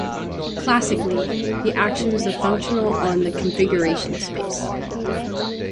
Classically, the action is a functional on the configuration space.